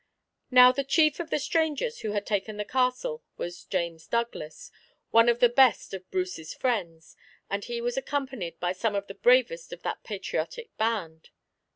Now, the chief of the strangers who had taken the castle was James Douglas, one of the best of Bruce's friends, and he was accompanied by some of the bravest of that patriotic band.